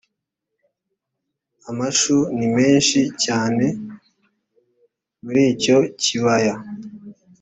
amashu ni menshi cyane muri icyo kibaya